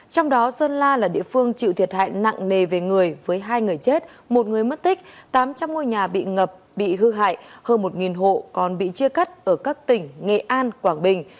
trong đó sơn la là địa phương chịu thiệt hại nặng nề về người với hai người chết một người mất tích tám trăm linh ngôi nhà bị ngập bị hư hại hơn một hộ còn bị chia cắt ở các tỉnh nghệ an quảng bình